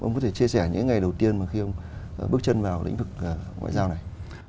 ông có thể chia sẻ những ngày đầu tiên mà khi ông bước chân vào lĩnh vực ngoại giao này